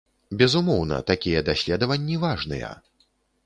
Безумоўна, такія даследаванні важныя.